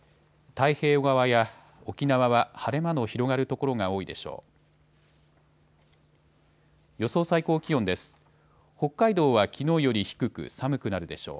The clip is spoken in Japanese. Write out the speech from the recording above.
太平洋側や沖縄は晴れ間の広がる所が多いでしょう。